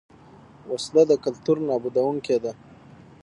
وسله د کلتور نابودوونکې ده